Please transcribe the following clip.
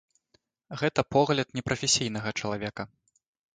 Гэта погляд непрафесійнага чалавека.